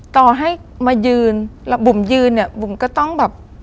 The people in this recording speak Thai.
ต่อให้มายืนแล้วบุ๋มยืนเนี่ยบุ๋มก็ต้องแบบ